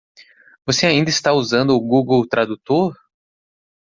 Você ainda está usando o Google Tradutor?